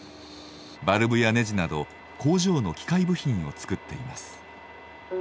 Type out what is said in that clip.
バルブやネジなど工場の機械部品を作っています。